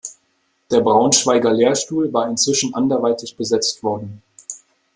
Der Braunschweiger Lehrstuhl war inzwischen anderweitig besetzt worden.